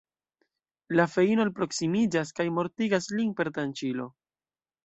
La feino alproksimiĝas, kaj mortigas lin per tranĉilo.